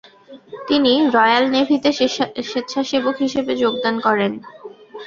তিনি রয়াল নেভিতে স্বেচ্ছাসেবক হিসেবে যোগদান করেন।